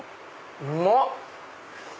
うまっ！